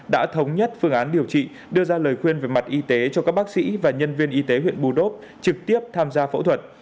đã thống nhất phương án điều trị đưa ra lời khuyên về mặt y tế cho các bác sĩ và nhân viên y tế huyện bù đốp trực tiếp tham gia phẫu thuật